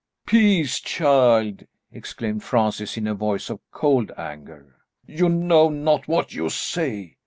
"Peace, child," exclaimed Francis in a voice of cold anger. "You know not what you say.